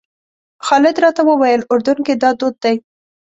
خالد راته وویل اردن کې دا دود دی.